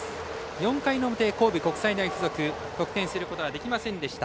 ４回の表、神戸国際大付属得点することができませんでした。